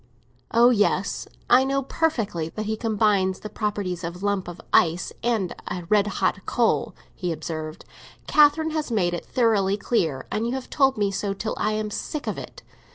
"Oh yes, I know perfectly that he combines the properties of a lump of ice and a red hot coal," he observed. "Catherine has made it thoroughly clear, and you have told me so till I am sick of it.